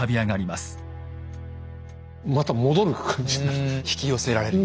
また戻る感じになる。